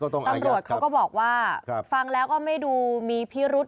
ตำรวจเขาก็บอกว่าฟังแล้วก็ไม่ดูมีพิรุษ